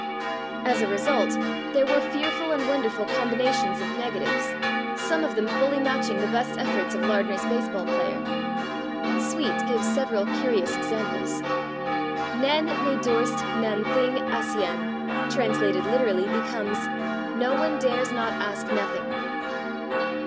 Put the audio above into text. As a result, there were fearful and wonderful combinations of negatives, some of them fully matching the best efforts of Lardner's baseball player. Sweet [Pg233] gives several curious examples. "Nān ne dorste nān thing āscian," translated literally, becomes "/no/ one dares /not/ ask /nothing